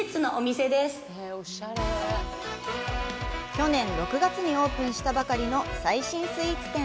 去年６月にオープンしたばかりの最新スイーツ店。